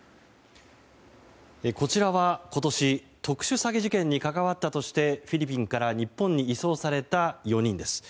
こちらは今年特殊詐欺事件に関わったとしてフィリピンから日本に移送された４人です。